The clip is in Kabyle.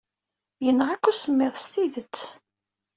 Yenɣa-k usemmiḍ s tidet.